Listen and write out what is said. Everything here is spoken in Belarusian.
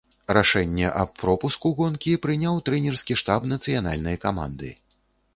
Рашэнне аб пропуску гонкі прыняў трэнерскі штаб нацыянальнай каманды.